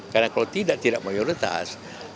karena kalau tidak tidak mayoritas